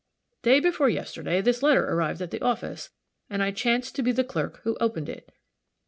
"Day before yesterday this letter arrived at the office, and I chanced to be the clerk who opened it."